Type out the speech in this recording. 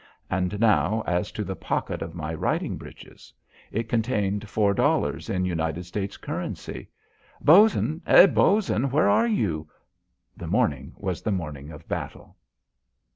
And now as to the pocket of my riding breeches. It contained four dollars in United States currency. Bos'n! Hey, Bos'n, where are you? The morning was the morning of battle.